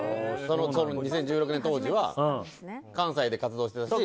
２０１６年当時は関西で活動してたし。